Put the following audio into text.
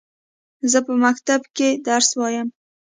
زه په مکتب کښي درس وايم.